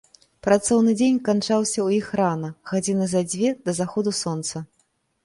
Працоўны дзень канчаўся ў іх рана, гадзіны за дзве да заходу сонца.